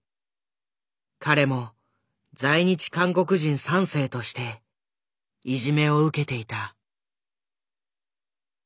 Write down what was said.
彼も在日韓国人３世としていじめを受けていた。